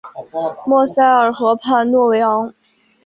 莫塞尔河畔诺韦昂。